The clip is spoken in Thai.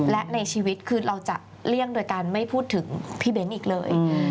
และในชีวิตคือเราจะเลี่ยงโดยการไม่พูดถึงพี่เบ้นอีกเลย